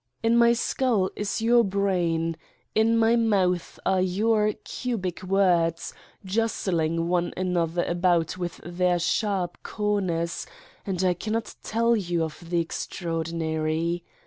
In my skull is your brain. In my mouth are your cubic words, jostling one another about with their sharp corners, and I cannot tell you of the Extraordinary.